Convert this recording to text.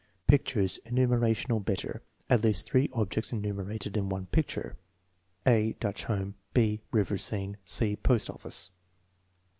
Pictures, enumeration or better. (At least 3 objects enumer ated in one picture.) (a) Dutch Home; (6) River Scene; (c) Post Office.